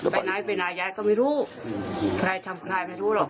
ไปไหนไปไหนยายก็ไม่รู้ใครทำใครไม่รู้หรอก